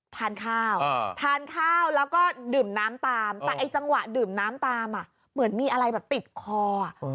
ทานข้าวทานข้าวแล้วก็ดื่มน้ำตามแต่ไอ้จังหวะดื่มน้ำตามเหมือนมีอะไรแบบติดคอ